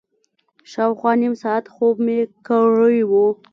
شاوخوا نیم ساعت خوب مې کړی و.